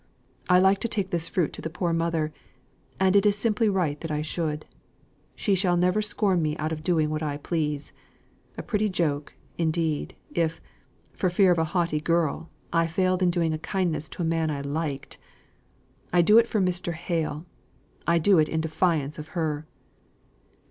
I like to take this fruit to the poor mother, and it is simply right that I should. She shall never scorn me out of doing what I please. A pretty joke, indeed, if, for fear of a haughty girl, I failed in doing a kindness to a man I liked! I do it for Mr. Hale; I do it in defiance of her."